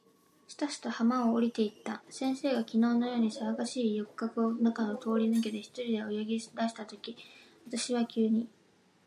先生は眼鏡をとって台の上に置いて、すぐ手拭（てぬぐい）で頭を包んで、すたすた浜を下りて行った。先生が昨日（きのう）のように騒がしい浴客（よくかく）の中を通り抜けて、一人で泳ぎ出した時、私は急にその後（あと）が追い掛けたくなった。